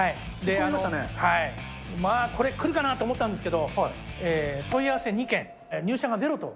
まあこれ、来るかなと思ったんですけど、問い合わせ２件、入社が０と。